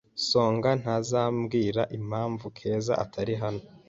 Songa ntazambwira impamvu Keza atari hano.